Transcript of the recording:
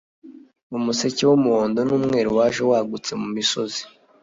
Umuseke wumuhondo numweru waje wagutse mumisozi